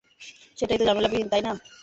সেটাই তো ঝামেলাবিহীন, তাই না?